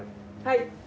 はい。